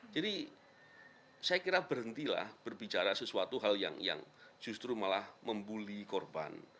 jadi saya kira berhentilah berbicara sesuatu hal yang justru malah membuli korban